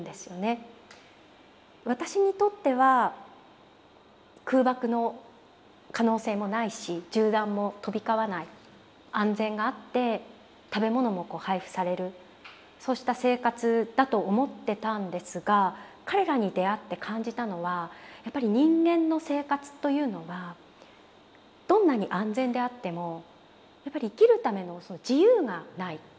私にとっては空爆の可能性もないし銃弾も飛び交わない安全があって食べ物も配布されるそうした生活だと思ってたんですが彼らに出会って感じたのはやっぱり人間の生活というのはどんなに安全であってもやっぱり生きるための自由がない。